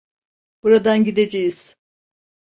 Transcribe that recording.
Buradan gideceğiz.